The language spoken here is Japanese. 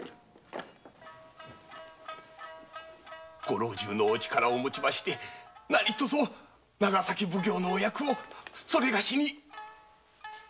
ご老中のお力をもちまして何とぞ長崎奉行のお役をそれがしに。